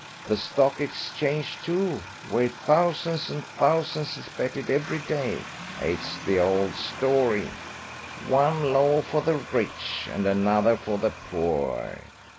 The Stock Exchange, too, where thousands and thousands is betted every day. It is the old story one law for the rich and another for the poor.